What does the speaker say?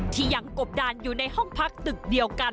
ที่ยังกบดานอยู่ในห้องพักตึกเดียวกัน